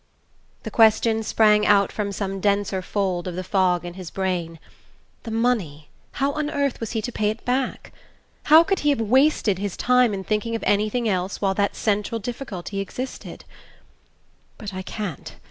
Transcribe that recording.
The question sprang out from some denser fold of the fog in his brain. The money how on earth was he to pay it back? How could he have wasted his time in thinking of anything else while that central difficulty existed? "But I can't ...